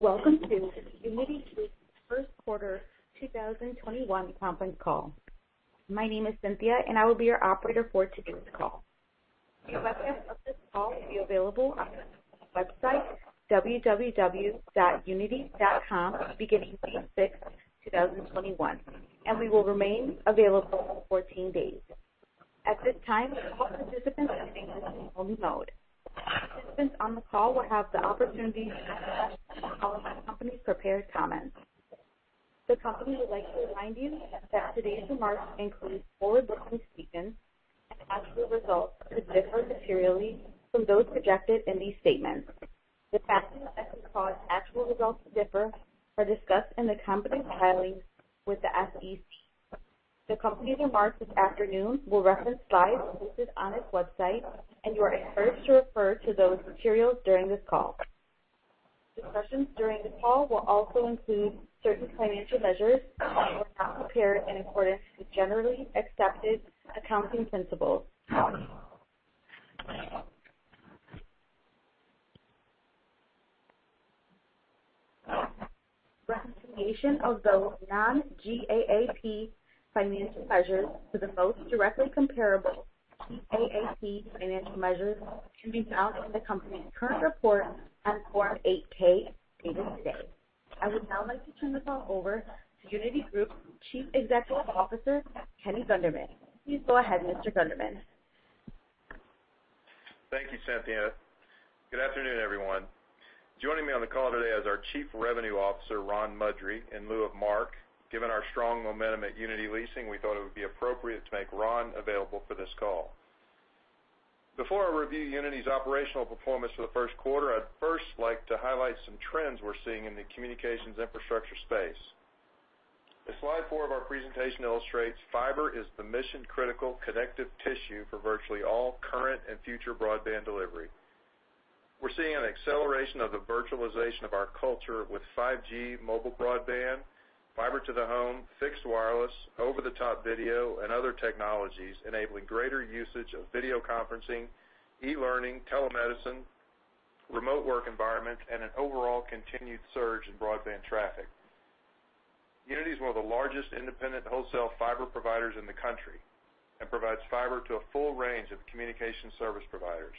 Welcome to Uniti Group First Quarter 2021 Conference Call. My name is Cynthia, and I will be your operator for today's call. A webcast of this call will be available on the company's website, www.uniti.com, beginning May 6th, 2021, and we will remain available for 14 days. At this time, all participants have been placed in listen-only mode. Participants on the call will have the opportunity to listen to the company's prepared comments. The company would like to remind you that today's remarks include forward-looking statements and actual results could differ materially from those projected in these statements. The factors that could cause actual results to differ are discussed in the company's filings with the SEC. The company's remarks this afternoon will reference slides posted on its website, and you are encouraged to refer to those materials during this call. Discussions during this call will also include certain financial measures that are not prepared in accordance with generally accepted accounting principles. Reconciliation of those non-GAAP financial measures to the most directly comparable GAAP financial measures can be found in the company's current report on Form 8-K, dated today. I would now like to turn the call over to Uniti Group Chief Executive Officer, Kenny Gunderman. Please go ahead, Mr. Gunderman. Thank you, Cynthia. Good afternoon, everyone. Joining me on the call today is our Chief Revenue Officer, Ron Mudry, in lieu of Mark. Given our strong momentum at Uniti Leasing, we thought it would be appropriate to make Ron available for this call. Before I review Uniti's operational performance for the first quarter, I'd first like to highlight some trends we're seeing in the communications infrastructure space. As slide four of our presentation illustrates, fiber is the mission-critical connective tissue for virtually all current and future broadband delivery. We're seeing an acceleration of the virtualization of our culture with 5G mobile broadband, fiber to the home, fixed wireless, over-the-top video, and other technologies enabling greater usage of video conferencing, e-learning, telemedicine, remote work environment, and an overall continued surge in broadband traffic. Uniti is one of the largest independent wholesale fiber providers in the country and provides fiber to a full range of communication service providers.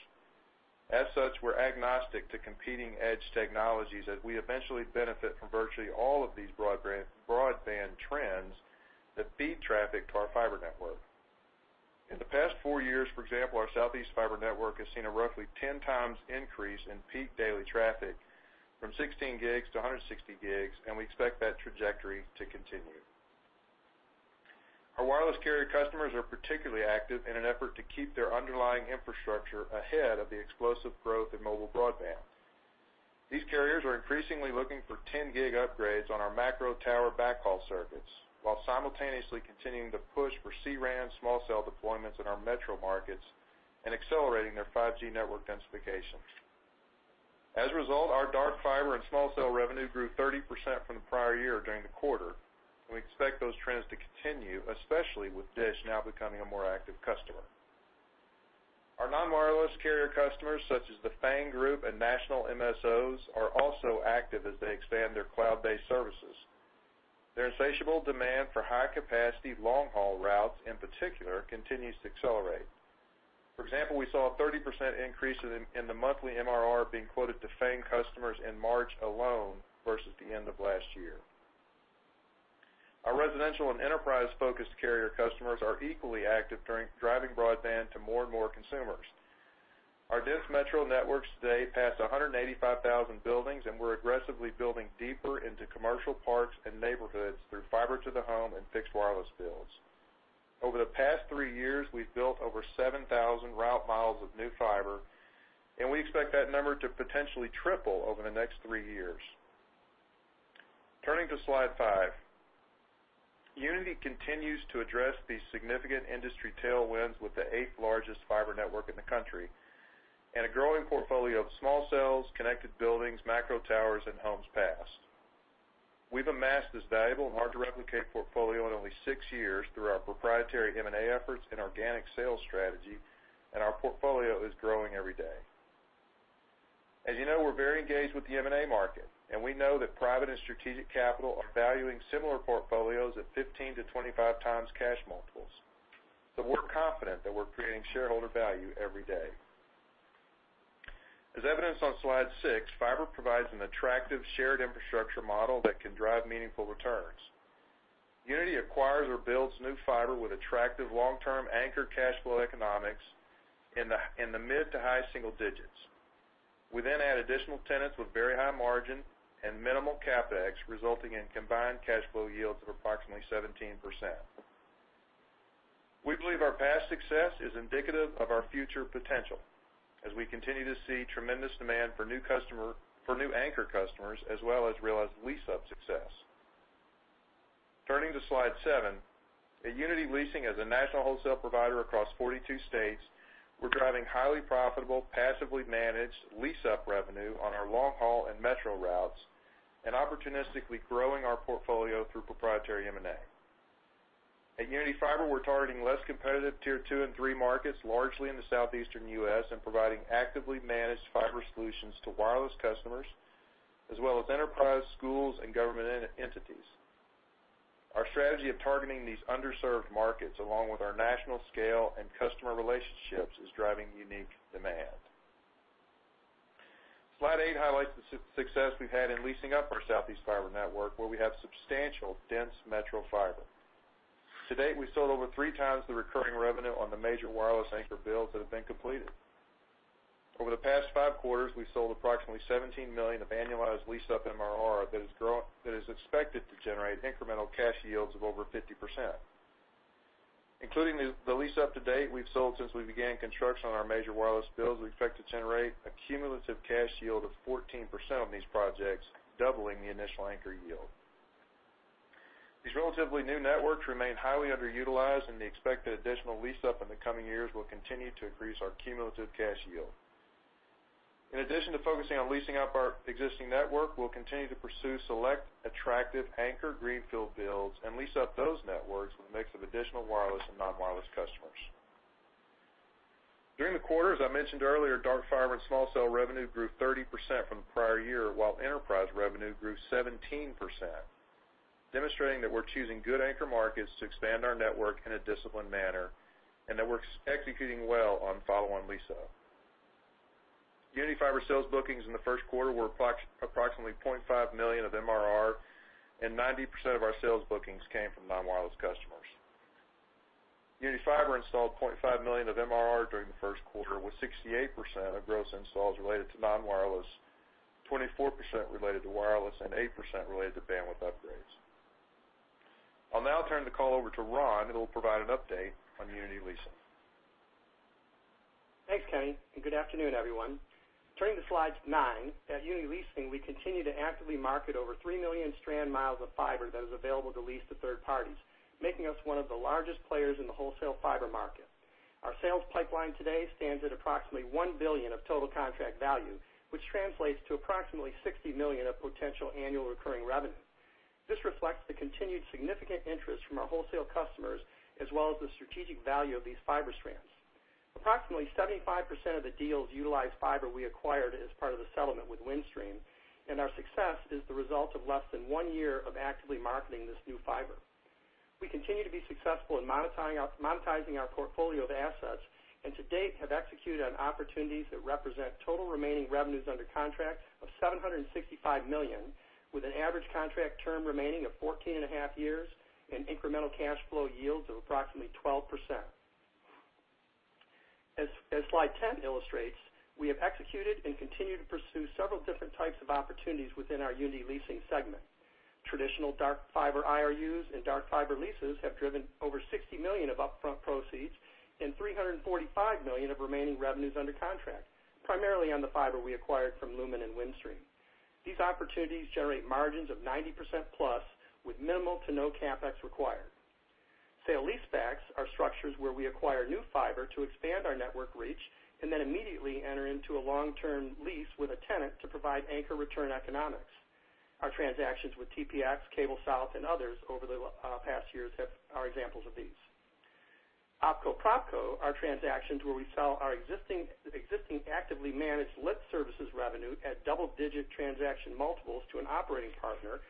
As such, we're agnostic to competing edge technologies as we eventually benefit from virtually all of these broadband trends that feed traffic to our fiber network. In the past four years, for example, our Southeast fiber network has seen a roughly 10x increase in peak daily traffic from 16 Gbps to 160 Gbps, and we expect that trajectory to continue. Our wireless carrier customers are particularly active in an effort to keep their underlying infrastructure ahead of the explosive growth in mobile broadband. These carriers are increasingly looking for 10 Gbps upgrades on our macro tower backhaul circuits, while simultaneously continuing to push for C-RAN small cell deployments in our metro markets and accelerating their 5G network densification. As a result, our dark fiber and small cell revenue grew 30% from the prior year during the quarter, and we expect those trends to continue, especially with DISH now becoming a more active customer. Our non-wireless carrier customers, such as the FAANG group and national MSOs, are also active as they expand their cloud-based services. Their insatiable demand for high-capacity, long-haul routes, in particular, continues to accelerate. For example, we saw a 30% increase in the monthly MRR being quoted to FANG customers in March alone versus the end of last year. Our residential and enterprise-focused carrier customers are equally active driving broadband to more and more consumers. Our DISH metro networks today pass 185,000 buildings, and we're aggressively building deeper into commercial parks and neighborhoods through fiber to the home and fixed wireless builds. Over the past three years, we've built over 7,000 route mi of new fiber. We expect that number to potentially triple over the next three years. Turning to slide five. Uniti continues to address the significant industry tailwinds with the eighth-largest fiber network in the country and a growing portfolio of small cells, connected buildings, macro towers, and homes passed. We've amassed this valuable and hard-to-replicate portfolio in only six years through our proprietary M&A efforts and organic sales strategy. Our portfolio is growing every day. As you know, we're very engaged with the M&A market. We know that private and strategic capital are valuing similar portfolios at 15x-25x cash multiples. We're confident that we're creating shareholder value every day. As evidenced on slide six, fiber provides an attractive shared infrastructure model that can drive meaningful returns. Uniti acquires or builds new fiber with attractive long-term anchor cash flow economics in the mid to high single digits. We add additional tenants with very high margin and minimal CapEx, resulting in combined cash flow yields of approximately 17%. We believe our past success is indicative of our future potential as we continue to see tremendous demand for new anchor customers, as well as realized lease-up success. Turning to slide seven. At Uniti Leasing, as a national wholesale provider across 42 states, we're driving highly profitable, passively managed lease-up revenue on our long-haul and metro routes and opportunistically growing our portfolio through proprietary M&A. At Uniti Fiber, we're targeting less competitive tier 2 and 3 markets, largely in the southeastern U.S., and providing actively managed fiber solutions to wireless customers, as well as enterprise schools and government entities. Our strategy of targeting these underserved markets, along with our national scale and customer relationships, is driving unique demand. Slide eight highlights the success we've had in leasing up our southeast fiber network, where we have substantial dense metro fiber. To date, we've sold over 3x the recurring revenue on the major wireless anchor builds that have been completed. Over the past five quarters, we've sold approximately $17 million of annualized leased-up MRR that is expected to generate incremental cash yields of over 50%. Including the lease up to date we've sold since we began construction on our major wireless builds, we expect to generate a cumulative cash yield of 14% on these projects, doubling the initial anchor yield. These relatively new networks remain highly underutilized, and the expected additional lease up in the coming years will continue to increase our cumulative cash yield. In addition to focusing on leasing up our existing network, we'll continue to pursue select attractive anchor greenfield builds and lease up those networks with a mix of additional wireless and non-wireless customers. During the quarter, as I mentioned earlier, dark fiber and small cell revenue grew 30% from the prior year, while enterprise revenue grew 17%, demonstrating that we're choosing good anchor markets to expand our network in a disciplined manner and that we're executing well on follow-on lease up. Uniti Fiber sales bookings in the first quarter were approximately $0.5 million of MRR, and 90% of our sales bookings came from non-wireless customers. Uniti Fiber installed $0.5 million of MRR during the first quarter, with 68% of gross installs related to non-wireless, 24% related to wireless, and 8% related to bandwidth upgrades. I'll now turn the call over to Ron, who will provide an update on Uniti Leasing. Thanks, Kenny, and good afternoon, everyone. Turning to slides nine, at Uniti Leasing, we continue to actively market over 3 million strand mi of fiber that is available to lease to third parties, making us one of the largest players in the wholesale fiber market. Our sales pipeline today stands at approximately $1 billion of total contract value, which translates to approximately $60 million of potential annual recurring revenue. This reflects the continued significant interest from our wholesale customers as well as the strategic value of these fiber strands. Approximately 75% of the deals utilize fiber we acquired as part of the settlement with Windstream, and our success is the result of less than one year of actively marketing this new fiber. We continue to be successful in monetizing our portfolio of assets and to date have executed on opportunities that represent total remaining revenues under contract of $765 million, with an average contract term remaining of 14 and a half years and incremental cash flow yields of approximately 12%. As slide 10 illustrates, we have executed and continue to pursue several different types of opportunities within our Uniti Leasing segment. Traditional dark fiber IRUs and dark fiber leases have driven over $60 million of upfront proceeds and $345 million of remaining revenues under contract, primarily on the fiber we acquired from Lumen and Windstream. These opportunities generate margins of 90%+ with minimal to no CapEx required. Sale leasebacks are structures where we acquire new fiber to expand our network reach and then immediately enter into a long-term lease with a tenant to provide anchor return economics. Our transactions with TPx, CableSouth, and others over the past years are examples of these. OpCo/PropCo are transactions where we sell our existing actively managed lit services revenue at double-digit transaction multiples to an operating partner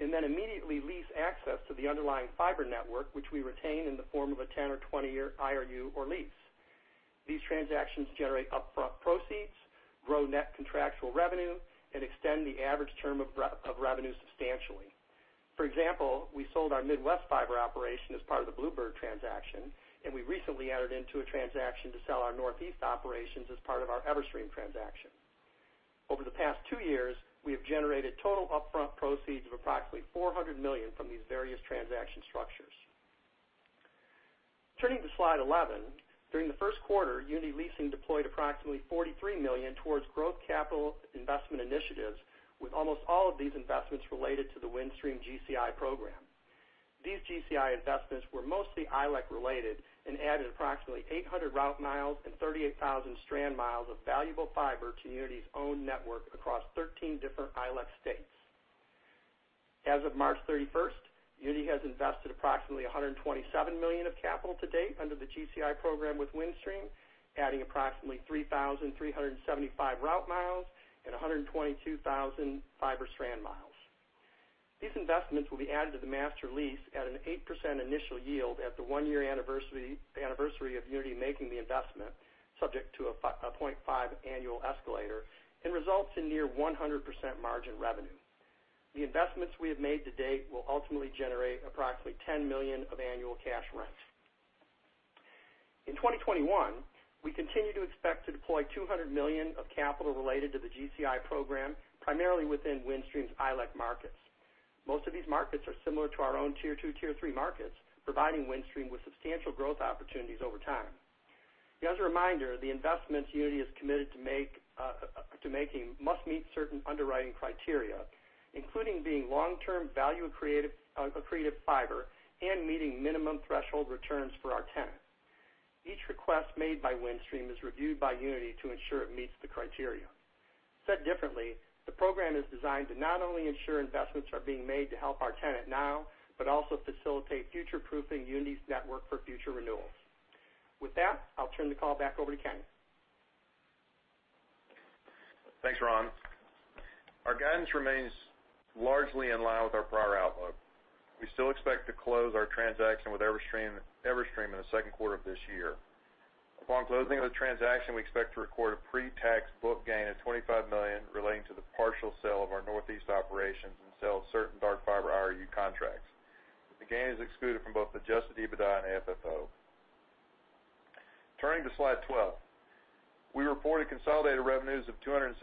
and then immediately lease access to the underlying fiber network, which we retain in the form of a 10 or 20-year IRU or lease. These transactions generate upfront proceeds, grow net contractual revenue, and extend the average term of revenue substantially. For example, we sold our Midwest fiber operation as part of the Bluebird transaction, and we recently entered into a transaction to sell our Northeast operations as part of our Everstream transaction. Over the past two years, we have generated total upfront proceeds of approximately $400 million from these various transaction structures. Turning to slide 11, during the first quarter, Uniti Leasing deployed approximately $43 million towards growth capital investment initiatives, with almost all of these investments related to the Windstream GCI program. These GCI investments were mostly ILEC related and added approximately 800 route mi and 38,000 strand mi of valuable fiber to Uniti's own network across 13 different ILEC states. As of March 31st, Uniti has invested approximately $127 million of capital to date under the GCI program with Windstream, adding approximately 3,375 route mi and 122,000 fiber strand mi. These investments will be added to the master lease at an 8% initial yield at the one year anniversary of Uniti making the investment subject to a 0.5 annual escalator and results in near 100% margin revenue. The investments we have made to date will ultimately generate approximately $10 million of annual cash rent. In 2021, we continue to expect to deploy $200 million of capital related to the GCI program, primarily within Windstream's ILEC markets. Most of these markets are similar to our own tier 2, tier 3 markets, providing Windstream with substantial growth opportunities over time. As a reminder, the investments Uniti is committed to making must meet certain underwriting criteria, including being long-term value accretive fiber and meeting minimum threshold returns for our tenant. Each request made by Windstream is reviewed by Uniti to ensure it meets the criteria. Said differently, the program is designed to not only ensure investments are being made to help our tenant now, but also facilitate future-proofing Uniti's network for future renewals. With that, I'll turn the call back over to Kenny. Thanks, Ron. Our guidance remains largely in line with our prior outlook. We still expect to close our transaction with Everstream in the second quarter of this year. Upon closing of the transaction, we expect to record a pre-tax book gain of $25 million relating to the partial sale of our Northeast operations and sale of certain dark fiber IRU contracts. The gain is excluded from both adjusted EBITDA and AFFO. Turning to slide 12. We reported consolidated revenues of $273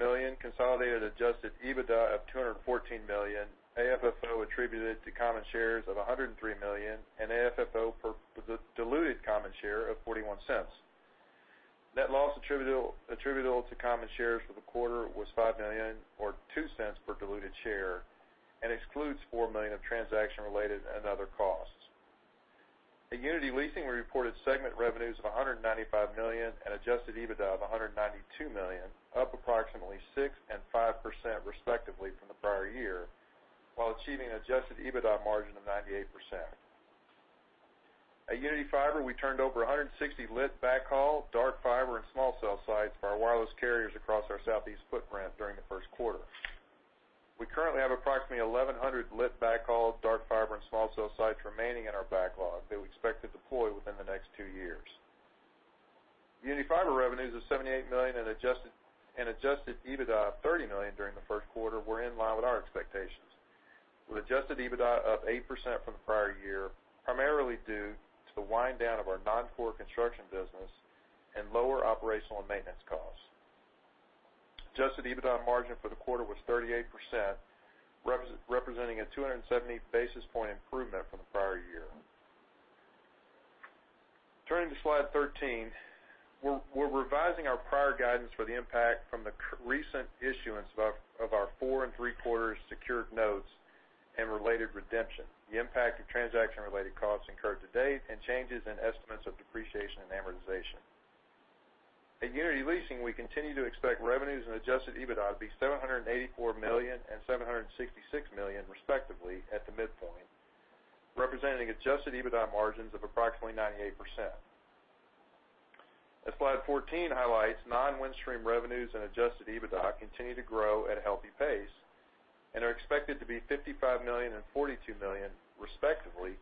million, consolidated adjusted EBITDA of $214 million, AFFO attributed to common shares of $103 million, and AFFO per diluted common share of $0.41. Net loss attributable to common shares for the quarter was $5 million or $0.02 per diluted share and excludes $4 million of transaction-related and other costs. At Uniti Leasing, we reported segment revenues of $195 million and adjusted EBITDA of $192 million, up approximately 6% and 5% respectively from the prior year, while achieving an adjusted EBITDA margin of 98%. At Uniti Fiber, we turned over 160 lit backhaul, dark fiber, and small cell sites for our wireless carriers across our Southeast footprint during the first quarter. We currently have approximately 1,100 lit backhaul, dark fiber, and small cell sites remaining in our backlog that we expect to deploy within the next two years. Uniti Fiber revenues of $78 million and adjusted EBITDA of $30 million during the first quarter were in line with our expectations, with adjusted EBITDA up 8% from the prior year, primarily due to the wind down of our non-core construction business and lower operational and maintenance costs. Adjusted EBITDA margin for the quarter was 38%, representing a 270 basis point improvement from the prior year. Turning to slide 13, we're revising our prior guidance for the impact from the recent issuance of our four and three-quarter secured notes and related redemption, the impact of transaction-related costs incurred to date, and changes in estimates of depreciation and amortization. At Uniti Leasing, we continue to expect revenues and adjusted EBITDA to be $784 million and $766 million respectively at the midpoint, representing adjusted EBITDA margins of approximately 98%. As slide 14 highlights, non-Windstream revenues and adjusted EBITDA continue to grow at a healthy pace and are expected to be $55 million and $42 million respectively,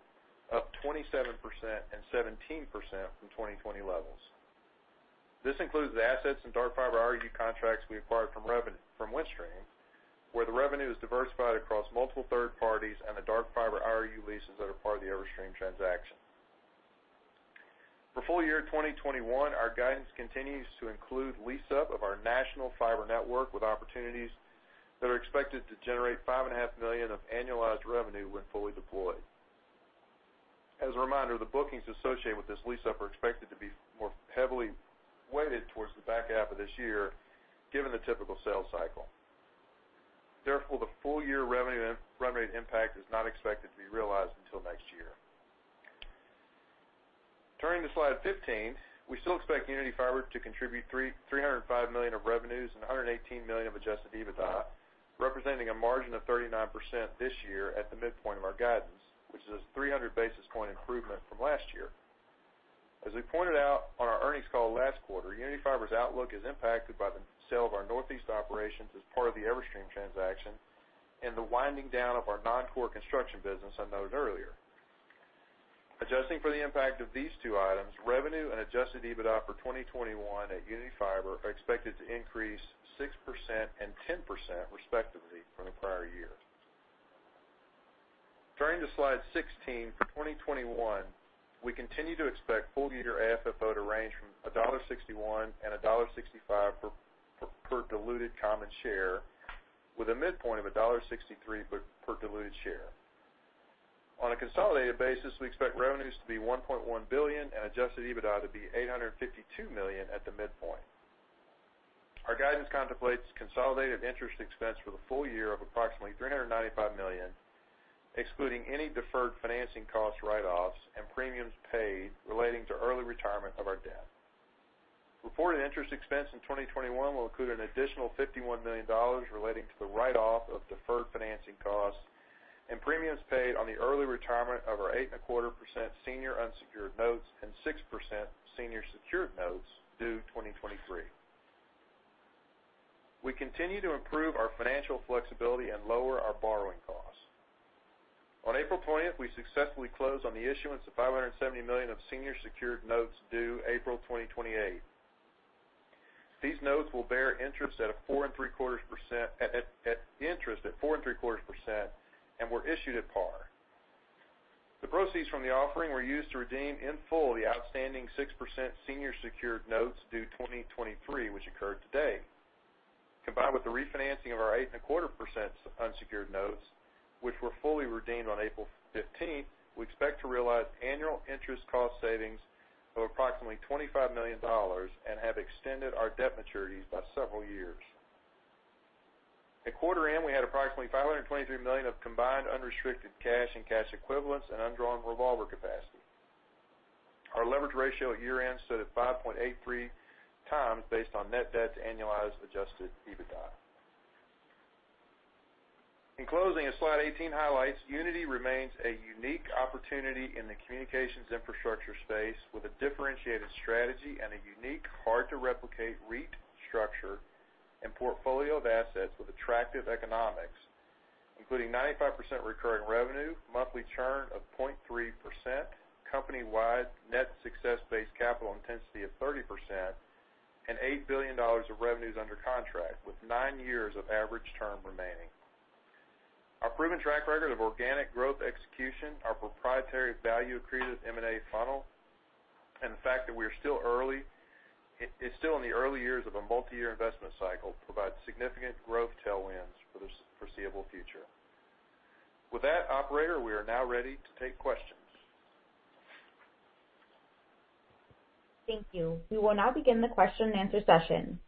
up 27% and 17% from 2020 levels. This includes the assets and dark fiber IRU contracts we acquired from Windstream, where the revenue is diversified across multiple third parties and the dark fiber IRU leases that are part of the Everstream transaction. For full-year 2021, our guidance continues to include lease-up of our national fiber network with opportunities that are expected to generate $5.5 million of annualized revenue when fully deployed. As a reminder, the bookings associated with this lease-up are expected to be more heavily weighted towards the back half of this year, given the typical sales cycle. Therefore, the full-year revenue impact is not expected to be realized until next year. Turning to slide 15, we still expect Uniti Fiber to contribute $305 million of revenues and $118 million of adjusted EBITDA, representing a margin of 39% this year at the midpoint of our guidance, which is a 300 basis point improvement from last year. As we pointed out on our earnings call last quarter, Uniti Fiber's outlook is impacted by the sale of our Northeast operations as part of the Everstream transaction and the winding down of our non-core construction business I noted earlier. Adjusting for the impact of these two items, revenue and adjusted EBITDA for 2021 at Uniti Fiber are expected to increase 6% and 10% respectively from the prior year. Turning to slide 16, for 2021, we continue to expect full-year AFFO to range from $1.61 and $1.65 per diluted common share with a midpoint of $1.63 per diluted share. On a consolidated basis, we expect revenues to be $1.1 billion and adjusted EBITDA to be $852 million at the midpoint. Our guidance contemplates consolidated interest expense for the full year of approximately $395 million, excluding any deferred financing cost write-offs and premiums paid relating to early retirement of our debt. Reported interest expense in 2021 will include an additional $51 million relating to the write-off of deferred financing costs and premiums paid on the early retirement of our 8.25% senior unsecured notes and 6% senior secured notes due 2023. We continue to improve our financial flexibility and lower our borrowing costs. On April 20th, we successfully closed on the issuance of $570 million of senior secured notes due April 2028. These notes will bear interest at 4.75% and were issued at par. The proceeds from the offering were used to redeem in full the outstanding 6% senior secured notes due 2023, which occurred today. Combined with the refinancing of our 8.25% unsecured notes, which were fully redeemed on April 15th, we expect to realize annual interest cost savings of approximately $25 million and have extended our debt maturities by several years. At quarter end, we had approximately $523 million of combined unrestricted cash and cash equivalents and undrawn revolver capacity. Our leverage ratio at year-end stood at 5.83x based on net debt to annualized adjusted EBITDA. In closing, as Slide 18 highlights, Uniti remains a unique opportunity in the communications infrastructure space with a differentiated strategy and a unique, hard-to-replicate REIT structure and portfolio of assets with attractive economics, including 95% recurring revenue, monthly churn of 0.3%, company-wide net success-based capital intensity of 30%, and $8 billion of revenues under contract with nine years of average term remaining. Our proven track record of organic growth execution, our proprietary value accretive M&A funnel, and the fact that we are still in the early years of a multi-year investment cycle provide significant growth tailwinds for the foreseeable future. With that, operator, we are now ready to take questions. Thank you. We will now begin the question-and-answer session.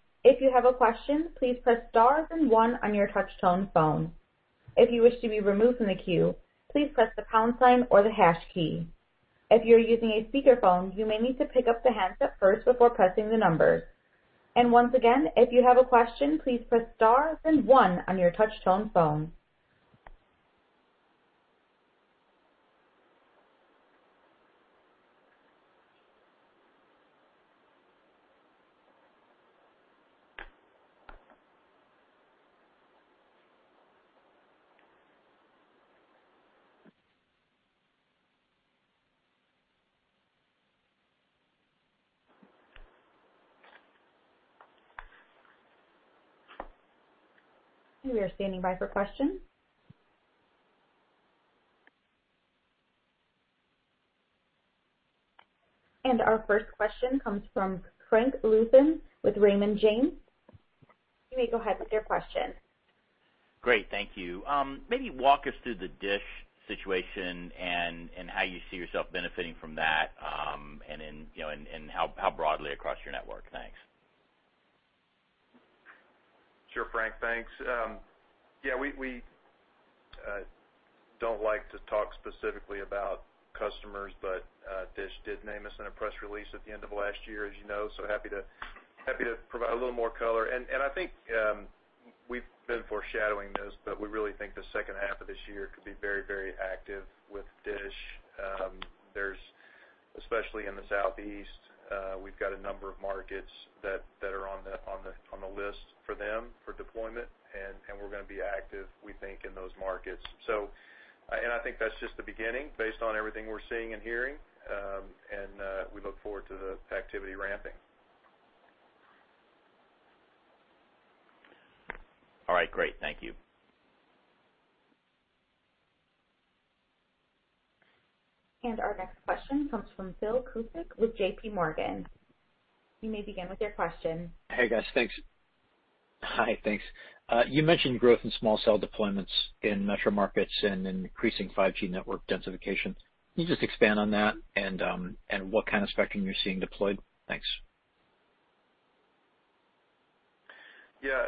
We are standing by for questions. Our first question comes from Frank Louthan with Raymond James. You may go ahead with your question. Great. Thank you. Maybe walk us through the DISH situation and how you see yourself benefiting from that, and how broadly across your network? Thanks. Sure, Frank, thanks. We don't like to talk specifically about customers, but DISH did name us in a press release at the end of last year, as you know, so happy to provide a little more color. I think we've been foreshadowing this, but we really think the second half of this year could be very active with DISH. Especially in the Southeast, we've got a number of markets that are on the list for them for deployment, and we're going to be active, we think, in those markets. I think that's just the beginning based on everything we're seeing and hearing. We look forward to the activity ramping. All right, great. Thank you. Our next question comes from Philip Cusick with JPMorgan. You may begin with your question. Hey, guys. Thanks. You mentioned growth in small cell deployments in metro markets and in increasing 5G network densification. Can you just expand on that and what kind of spectrum you're seeing deployed? Thanks. Yeah.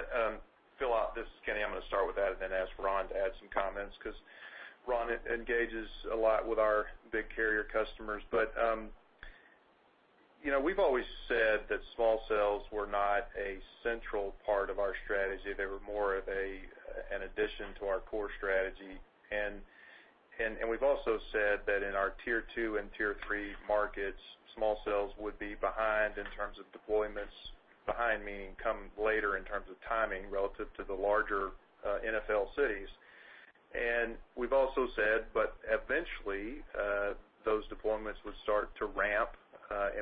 Phil, this is Kenny. I'm going to start with that and then ask Ron to add some comments, because Ron engages a lot with our big carrier customers. We've always said that small cells were not a central part of our strategy. They were more of an addition to our core strategy. We've also said that in our tier 2 and tier 3 markets, small cells would be behind in terms of deployments, behind meaning coming later in terms of timing relative to the larger NFL cities. We've also said, but eventually, those deployments would start to ramp.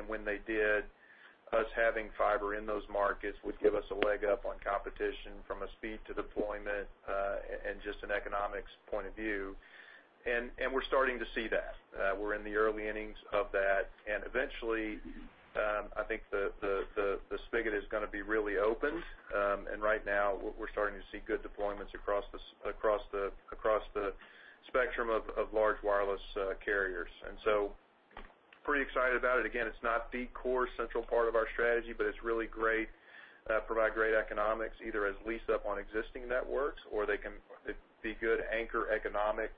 When they did, us having fiber in those markets would give us a leg up on competition from a speed to deployment, and just an economics point of view. We're starting to see that. We're in the early innings of that. Eventually, I think the spigot is going to be really open. Right now, we're starting to see good deployments across the spectrum of large wireless carriers, and so pretty excited about it. Again, it's not the core central part of our strategy, but it's really great. They provide great economics, either as leased up on existing networks, or they can be good anchor economic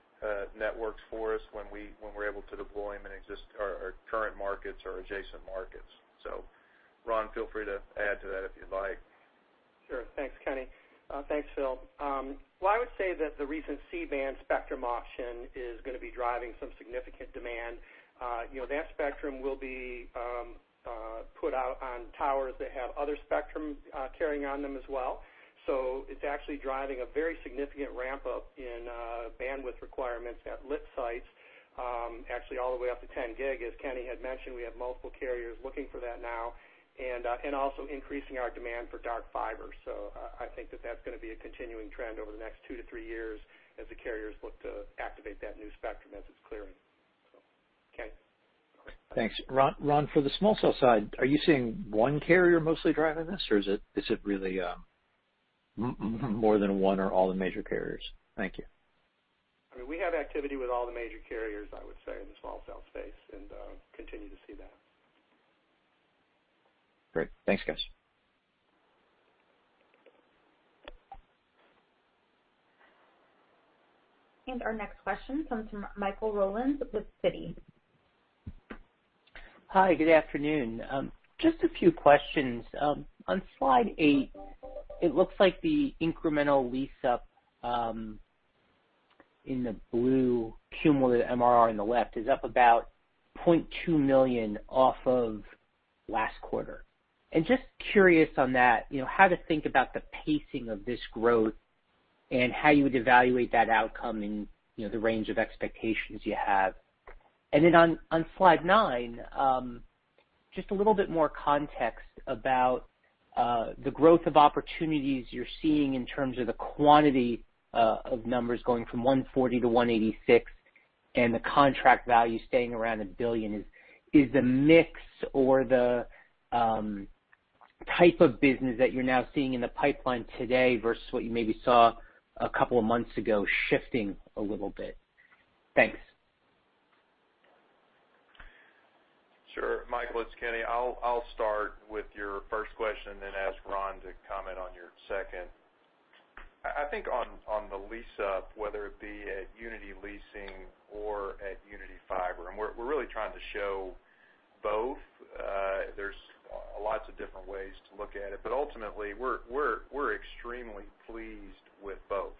networks for us when we're able to deploy them in our current markets or adjacent markets. Ron, feel free to add to that if you'd like. Sure. Thanks, Kenny. Thanks, Phil. Well, I would say that the recent C-band spectrum auction is going to be driving some significant demand. That spectrum will be put out on towers that have other spectrum carrying on them as well. It's actually driving a very significant ramp-up in bandwidth requirements at lit sites actually all the way up to 10 Gbps. As Kenny had mentioned, we have multiple carriers looking for that now, and also increasing our demand for dark fiber. I think that that's going to be a continuing trend over the next two to three years as the carriers look to activate that new spectrum as it's clearing. Thanks. Ron, for the small cell side, are you seeing one carrier mostly driving this, or is it really more than one or all the major carriers? Thank you. I mean, we have activity with all the major carriers, I would say, in the small cell space and continue to see that. Great. Thanks, guys. Our next question comes from Michael Rollins with Citi. Hi, good afternoon. Just a few questions. On slide eight, it looks like the incremental lease-up in the blue cumulative MRR on the left is up about $0.2 million off of last quarter. Just curious on that, how to think about the pacing of this growth and how you would evaluate that outcome in the range of expectations you have. On slide nine, just a little bit more context about the growth of opportunities you're seeing in terms of the quantity of numbers going from 140 to 186, and the contract value staying around $1 billion. Is the mix or the type of business that you're now seeing in the pipeline today versus what you maybe saw a couple of months ago shifting a little bit? Thanks. Sure. Michael, it's Kenny. I'll start with your first question then ask Ron to comment on your second. I think on the lease-up, whether it be at Uniti Leasing or at Uniti Fiber, and we're really trying to show both. There's lots of different ways to look at it, but ultimately, we're extremely pleased with both.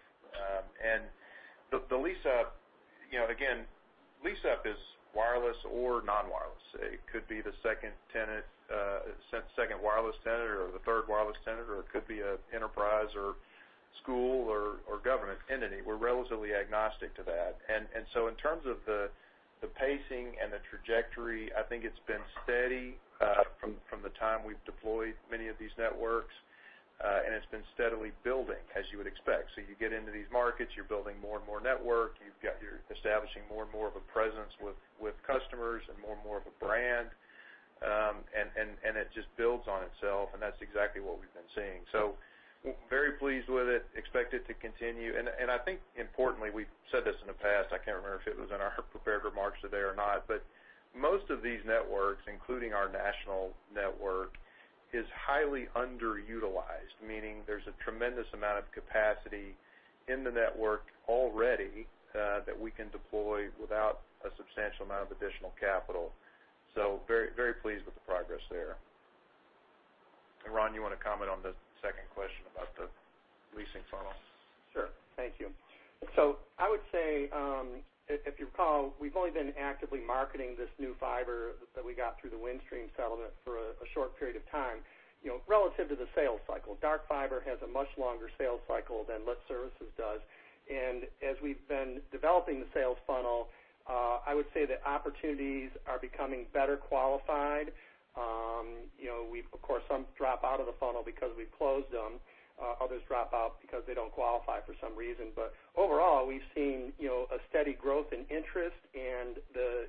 The lease-up is wireless or non-wireless. It could be the second wireless tenant or the third wireless tenant, or it could be an enterprise or school or government entity. We're relatively agnostic to that. In terms of the pacing and the trajectory, I think it's been steady from the time we've deployed many of these networks, and it's been steadily building, as you would expect. You get into these markets, you're building more and more network. You're establishing more and more of a presence with customers and more and more of a brand. It just builds on itself, and that's exactly what we've been seeing. Very pleased with it, expect it to continue. I think importantly, we've said this in the past, I can't remember if it was in our prepared remarks today or not, but most of these networks, including our national network, is highly underutilized, meaning there's a tremendous amount of capacity in the network already that we can deploy without a substantial amount of additional capital. Very pleased with the progress there. Ron, you want to comment on the second question about the leasing funnel? Sure. Thank you. I would say, if you recall, we've only been actively marketing this new fiber that we got through the Windstream settlement for a short period of time. Relative to the sales cycle, dark fiber has a much longer sales cycle than lit services does. As we've been developing the sales funnel, I would say the opportunities are becoming better qualified. Of course, some drop out of the funnel because we've closed them. Others drop out because they don't qualify for some reason. Overall, we've seen a steady growth in interest and the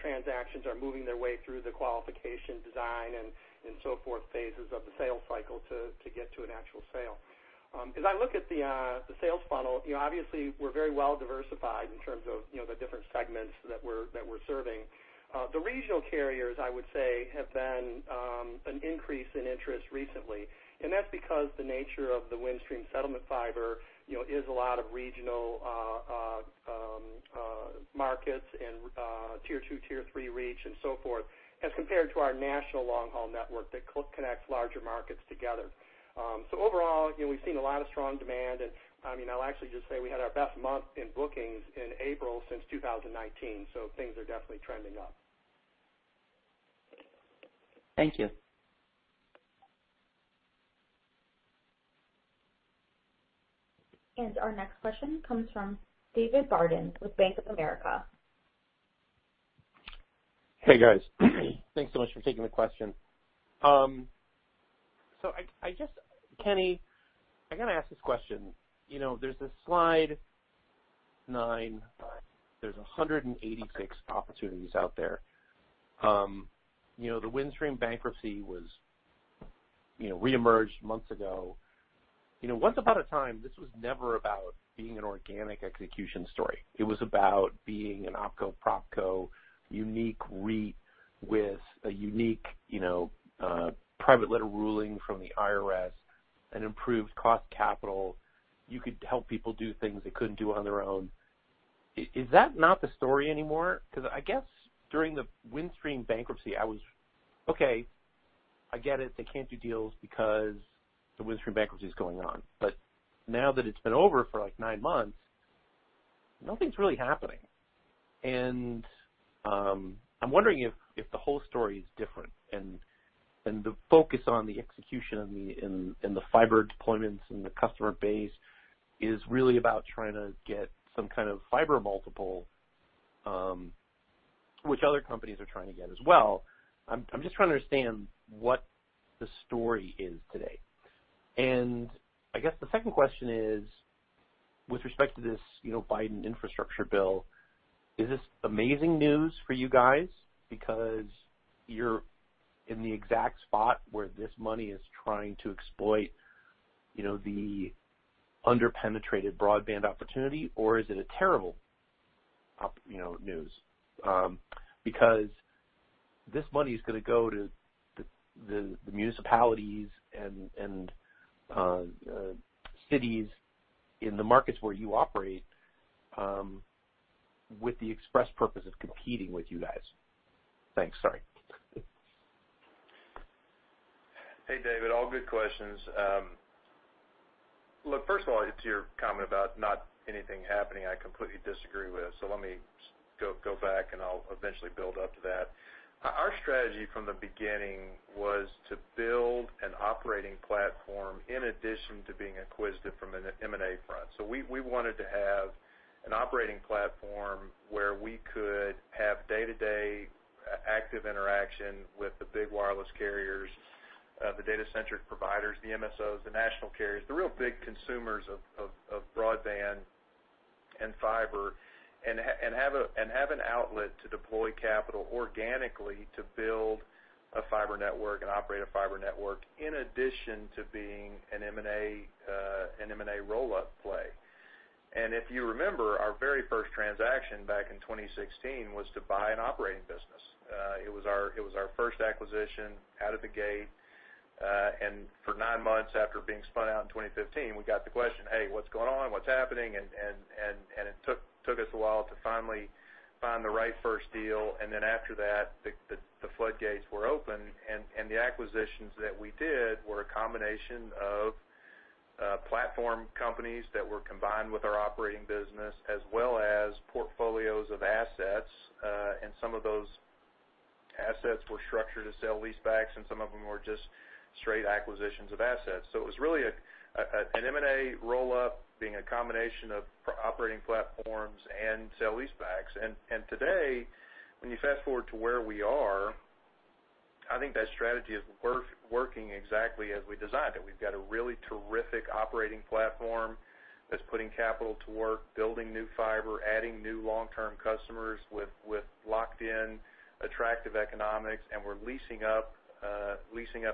transactions are moving their way through the qualification design and so forth phases of the sales cycle to get to an actual sale. As I look at the sales funnel, obviously we're very well diversified in terms of the different segments that we're serving. The regional carriers, I would say, have been an increase in interest recently, and that's because the nature of the Windstream settlement fiber is a lot of regional markets and tier 2, tier 3 reach and so forth, as compared to our national long-haul network that connects larger markets together. Overall, we've seen a lot of strong demand, and I'll actually just say we had our best month in bookings in April since 2019, so things are definitely trending up. Thank you. Our next question comes from David Barden with Bank of America. Hey, guys. Thanks so much for taking the question. Kenny, I got to ask this question. There's this slide nine, there's 186 opportunities out there. The Windstream bankruptcy reemerged months ago. Once upon a time, this was never about being an organic execution story. It was about being an OpCo/PropCo unique REIT with a unique private letter ruling from the IRS and improved cost capital. You could help people do things they couldn't do on their own. Is that not the story anymore? I guess during the Windstream bankruptcy, I get it, they can't do deals because the Windstream bankruptcy is going on. Now that it's been over for nine months, nothing's really happening. I'm wondering if the whole story is different and the focus on the execution and the fiber deployments and the customer base is really about trying to get some kind of fiber multiple, which other companies are trying to get as well. I'm just trying to understand what the story is today? I guess the second question is, with respect to this Biden infrastructure bill, is this amazing news for you guys because you're in the exact spot where this money is trying to exploit the under-penetrated broadband opportunity, or is it a terrible thing, because this money's going to go to the municipalities and cities in the markets where you operate with the express purpose of competing with you guys. Thanks. Sorry. Hey, David. All good questions. Look, first of all, to your comment about not anything happening, I completely disagree with. Let me go back, and I'll eventually build up to that. Our strategy from the beginning was to build an operating platform in addition to being acquisitive from an M&A front. We wanted to have an operating platform where we could have day-to-day active interaction with the big wireless carriers, the data center providers, the MSOs, the national carriers, the real big consumers of broadband and fiber, and have an outlet to deploy capital organically to build a fiber network and operate a fiber network in addition to being an M&A roll-up play. If you remember, our very first transaction back in 2016 was to buy an operating business. It was our first acquisition out of the gate. For nine months after being spun out in 2015, we got the question, "Hey, what's going on? What's happening?" It took us a while to finally find the right first deal. After that, the floodgates were open, and the acquisitions that we did were a combination of platform companies that were combined with our operating business as well as portfolios of assets. Some of those assets were structured as sale leasebacks, and some of them were just straight acquisitions of assets. It was really an M&A roll-up being a combination of operating platforms and sale leasebacks. Today, when you fast-forward to where we are, I think that strategy is working exactly as we designed it. We've got a really terrific operating platform that's putting capital to work, building new fiber, adding new long-term customers with locked-in attractive economics, and we're leasing up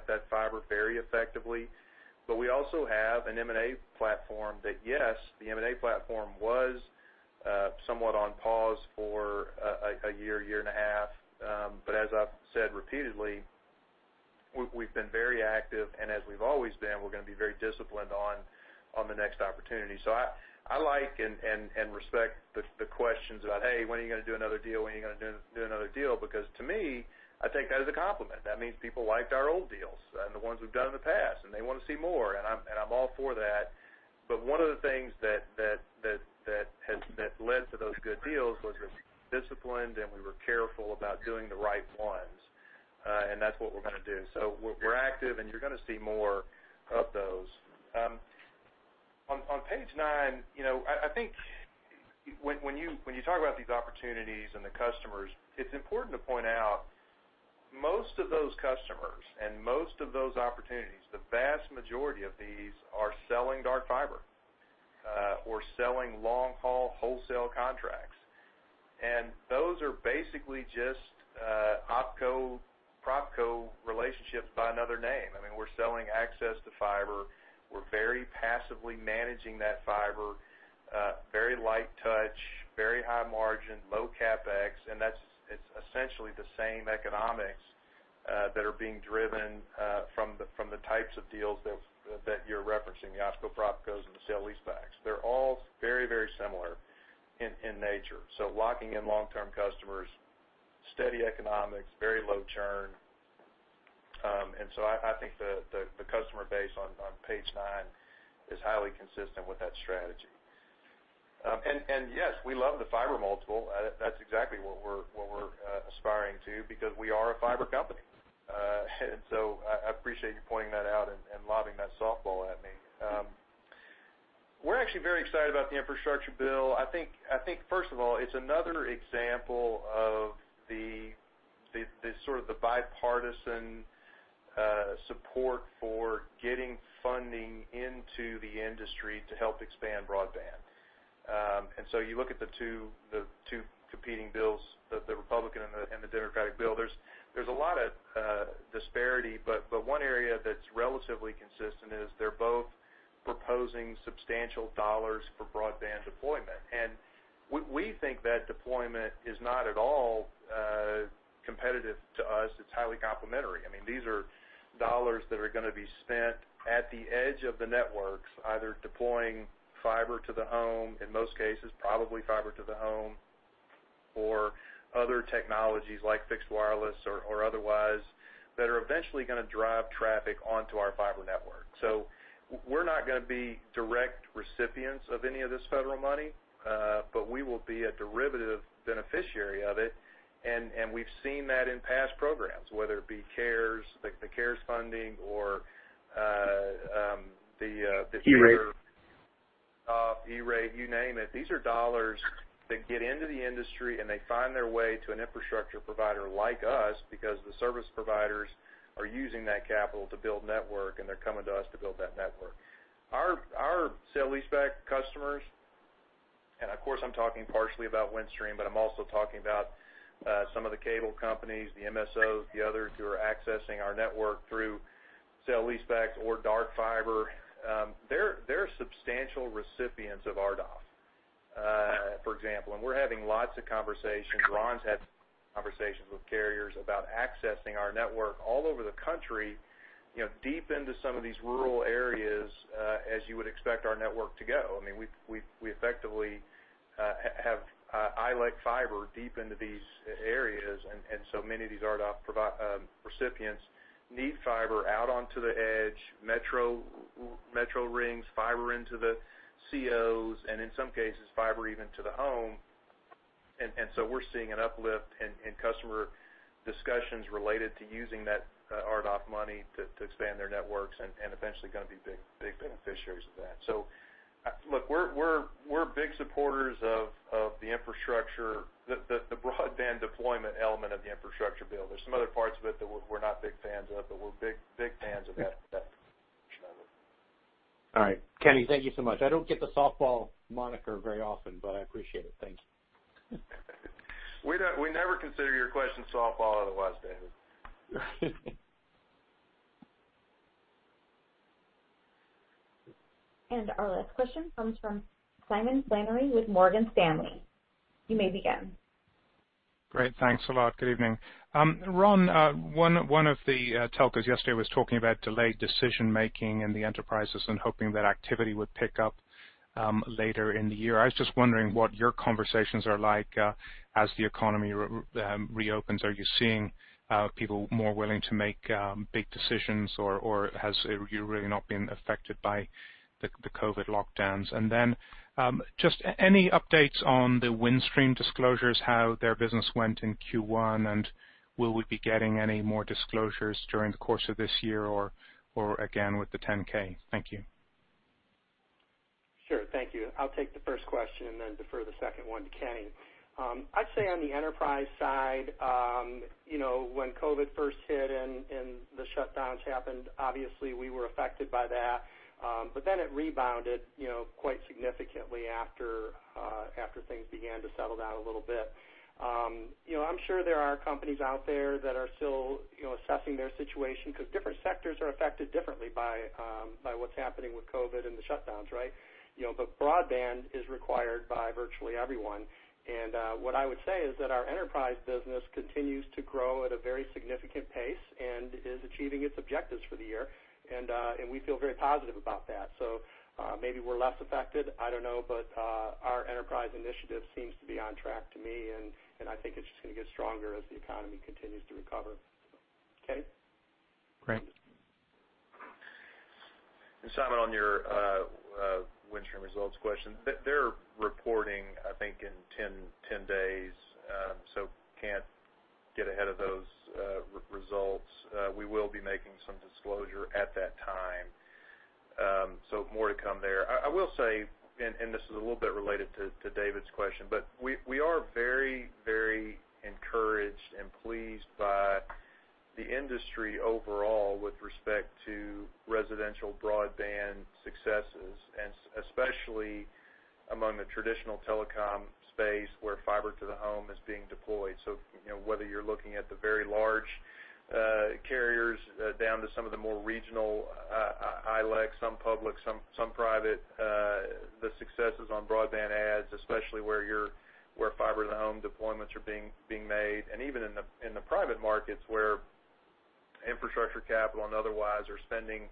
that fiber very effectively. We also have an M&A platform that, yes, the M&A platform was somewhat on pause for a year and a half. As I've said repeatedly, we've been very active, and as we've always been, we're going to be very disciplined on the next opportunity. I like and respect the questions about, "Hey, when are you going to do another deal? When are you going to do another deal?" To me, I take that as a compliment. That means people liked our old deals and the ones we've done in the past, and they want to see more, and I'm all for that. One of the things that led to those good deals was we were disciplined, and we were careful about doing the right ones. That's what we're going to do. We're active, and you're going to see more of those. On page nine, I think when you talk about these opportunities and the customers, it's important to point out most of those customers and most of those opportunities, the vast majority of these are selling dark fiber or selling long-haul wholesale contracts. Those are basically just OpCo/PropCo relationships by another name. We're selling access to fiber. We're very passively managing that fiber, very light touch, very high margin, low CapEx, and that's essentially the same economics that are being driven from the types of deals that you're referencing, the OpCo/PropCos and the sale leasebacks. They're all very similar in nature. Locking in long-term customers, steady economics, very low churn. I think the customer base on page nine is highly consistent with that strategy. Yes, we love the fiber multiple. That's exactly what we're aspiring to because we are a fiber company. I appreciate you pointing that out and lobbing that softball at me. We're actually very excited about the infrastructure bill. I think, first of all, it's another example of the bipartisan support for getting funding into the industry to help expand broadband. You look at the two competing bills, the Republican and the Democratic bill, there's a lot of disparity, but one area that's relatively consistent is they're both proposing substantial dollars for broadband deployment. We think that deployment is not at all competitive to us. It's highly complementary. These are dollars that are going to be spent at the edge of the networks, either deploying fiber to the home, in most cases, probably fiber to the home, or other technologies like fixed wireless or otherwise, that are eventually going to drive traffic onto our fiber network. We're not going to be direct recipients of any of this federal money, but we will be a derivative beneficiary of it, and we've seen that in past programs, whether it be the CARES funding, E-Rate, you name it. These are dollars that get into the industry, and they find their way to an infrastructure provider like us because the service providers are using that capital to build network, and they're coming to us to build that network. Our sale-leaseback customers, and of course, I'm talking partially about Windstream, but I'm also talking about some of the cable companies, the MSOs, the others who are accessing our network through sale-leasebacks or dark fiber. They're substantial recipients of RDOF, for example, and we're having lots of conversations. Ron's had conversations with carriers about accessing our network all over the country, deep into some of these rural areas, as you would expect our network to go. We effectively have ILEC fiber deep into these areas, and so many of these RDOF recipients need fiber out onto the edge, metro rings, fiber into the COs, and in some cases, fiber even to the home. We're seeing an uplift in customer discussions related to using that RDOF money to expand their networks and eventually going to be big beneficiaries of that. Look, we're big supporters of the broadband deployment element of the infrastructure bill. There's some other parts of it that we're not big fans of, but we're big fans of that portion of it. All right, Kenny, thank you so much. I don't get the softball moniker very often, but I appreciate it. Thank you. We never consider your questions softball otherwise, David. Our last question comes from Simon Flannery with Morgan Stanley. You may begin. Great. Thanks a lot. Good evening. Ron, one of the telcos yesterday was talking about delayed decision-making in the enterprises and hoping that activity would pick up later in the year. I was just wondering what your conversations are like as the economy reopens. Are you seeing people more willing to make big decisions, or has you really not been affected by the COVID lockdowns? Just any updates on the Windstream disclosures, how their business went in Q1, and will we be getting any more disclosures during the course of this year or again with the 10-K? Thank you. Sure. Thank you. I'll take the first question and then defer the second one to Kenny. I'd say on the enterprise side, when COVID first hit and the shutdowns happened, obviously, we were affected by that. It rebounded quite significantly after things began to settle down a little bit. I'm sure there are companies out there that are still assessing their situation because different sectors are affected differently by what's happening with COVID and the shutdowns, right? Broadband is required by virtually everyone. What I would say is that our enterprise business continues to grow at a very significant pace and is achieving its objectives for the year. We feel very positive about that. Maybe we're less affected, I don't know, but our enterprise initiative seems to be on track to me, and I think it's just going to get stronger as the economy continues to recover. Kenny? Simon, on your Windstream results question, they're reporting, I think, in 10 days, can't get ahead of those results. We will be making some disclosure at that time, more to come there. I will say, this is a little bit related to David's question, we are very encouraged and pleased by the industry overall with respect to residential broadband successes, especially among the traditional telecom space where fiber to the home is being deployed. Whether you're looking at the very large carriers down to some of the more regional ILEC, some public, some private, the successes on broadband adds, especially where fiber to the home deployments are being made, even in the private markets where infrastructure capital and otherwise are spending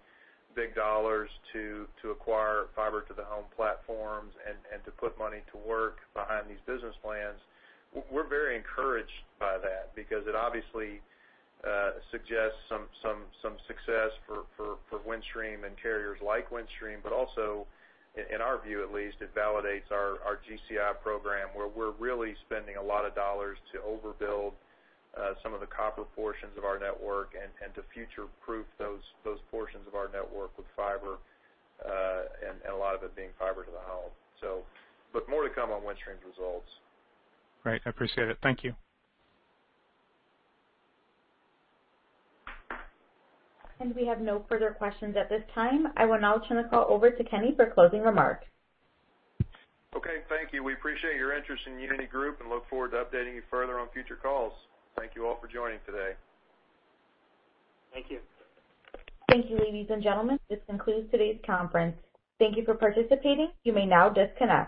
big dollars to acquire fiber to the home platforms and to put money to work behind these business plans. We're very encouraged by that because it obviously suggests some success for Windstream and carriers like Windstream, but also, in our view at least, it validates our GCI program, where we're really spending a lot of dollars to overbuild some of the copper portions of our network and to future-proof those portions of our network with fiber, and a lot of it being fiber to the home. Look, more to come on Windstream's results. Great. I appreciate it. Thank you. We have no further questions at this time. I will now turn the call over to Kenny for closing remarks. Okay, thank you. We appreciate your interest in Uniti Group and look forward to updating you further on future calls. Thank you all for joining today. Thank you. Thank you, ladies and gentlemen. This concludes today's conference. Thank you for participating. You may now disconnect.